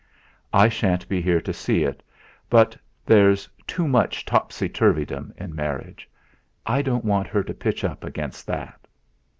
I shan't be here to see it, but there's too much topsy turvydom in marriage; I don't want her to pitch up against that."